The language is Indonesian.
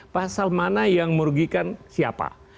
pasal mana yang merugikan siapa